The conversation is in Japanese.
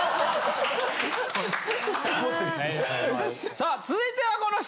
さあ続いてはこの人！